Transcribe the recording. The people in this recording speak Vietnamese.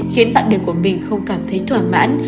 khiến bạn đời của mình không cảm thấy thỏa mãn